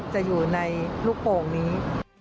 จะอยู่ในลูกโป่งนี้